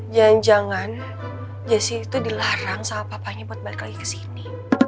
jangan jangan jessi itu dilarang sama papanya buat balik lagi ke sini